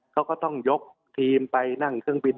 เขาก็ต้องยกทีมไปนั่งเครื่องบิน